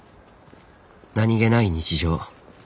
何気ない日常。